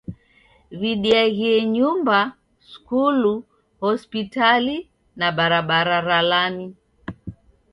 W'idiaghie nyumba, skulu, hospitali, na barabara ra lami.